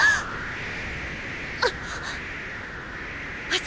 あっ。